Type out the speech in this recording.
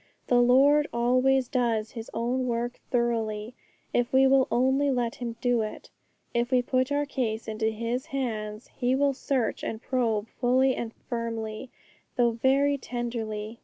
The Lord always does His own work thoroughly if we will only let Him do it; if we put our case into His hands, He will search and probe fully and firmly, though very tenderly.